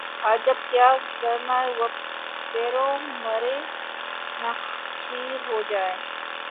عجب کیا گر مہ و پرویں مرے نخچیر ہو جائیں